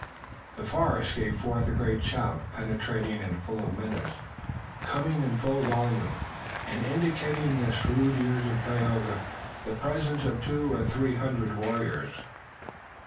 The forest gave forth a great shout, penetrating and full of menace, coming in full volume, and indicating to the shrewd ears of Tayoga the presence of two or three hundred warriors.